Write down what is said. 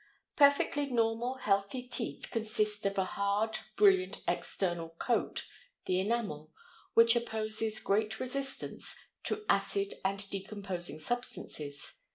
Perfectly normal healthy teeth consist of a hard, brilliant external coat, the enamel, which opposes great resistance to acid and decomposing substances.